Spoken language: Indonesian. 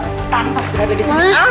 tantas berada disini